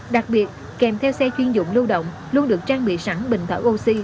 đặc biệt kèm theo xe chuyên dụng lưu động luôn được trang bị sẵn bình thở oxy